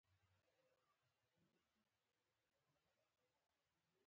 د علامه رشاد لیکنی هنر مهم دی ځکه چې پښتو غني کوي.